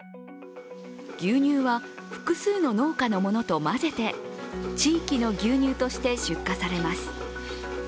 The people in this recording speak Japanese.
牛乳は複数の農家のものと混ぜて地域の牛乳として出荷されます。